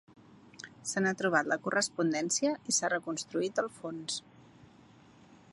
Se n'ha trobat la correspondència i s'ha reconstruït el fons.